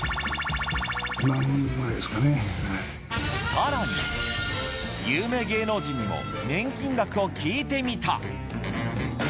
更に、有名芸能人にも年金額を聞いてみた。